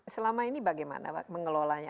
selama ini bagaimana mengelolanya